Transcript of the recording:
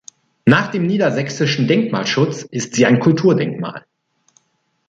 Nach dem Niedersächsischen Denkmalschutz ist sie ein Kulturdenkmal.